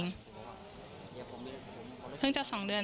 เงินจะเข้าเวรนี่ค่ะ